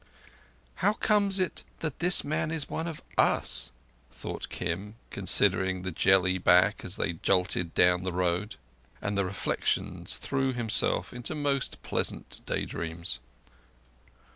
"How comes it that this man is one of us?" thought Kim considering the jelly back as they jolted down the road; and the reflection threw him into most pleasant day dreams.